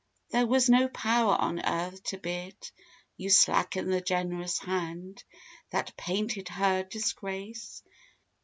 There was no power on earth to bid you slacken The generous hand that painted her disgrace!